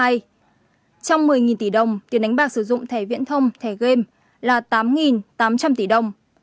trong một mươi tỷ đồng tiền đánh bạc sử dụng thẻ viễn thông thẻ game là tám tám trăm linh tỷ đồng